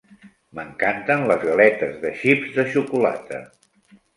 M'encanten les galetes de xips de xocolata.